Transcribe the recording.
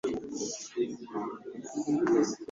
Twari mugihe cyo kugenda ageze.